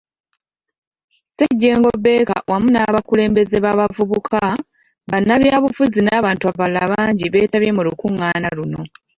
Ssejjengo Baker wamu n'abakulembeze b'abavubuka, bannabyabufuzi n'abantu abalala bangi beetabye mu lukungaana luno.